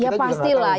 ya pasti lah